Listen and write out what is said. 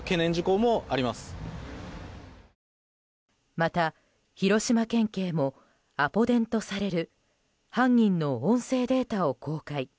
また広島県警もアポ電とされる犯人の音声データを公開。